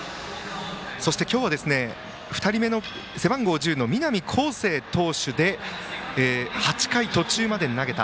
そして今日は背番号１０の南恒誠投手で８回途中まで投げた。